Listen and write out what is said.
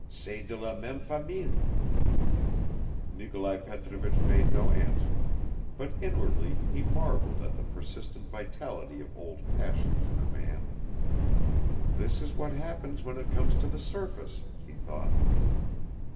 C'est de la même famille." Nikolai Petrovich made no answer, but inwardly he marveled at the persistent vitality of old passions in a man. "This is what happens when it comes to the surface," he thought.